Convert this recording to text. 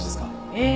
ええ。